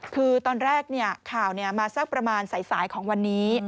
คือตอนแรกข่าวมาสักประมาณสายของวันนี้